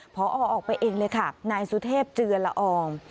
พอออกไปเองเลยค่ะนายสุเทพเจือละออง